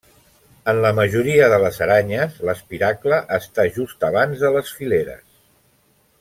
En la majoria de les aranyes l'espiracle està just abans de les fileres.